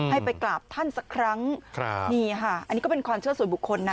ให้ไปกราบท่านสักครั้งครับนี่ค่ะอันนี้ก็เป็นความเชื่อส่วนบุคคลนะ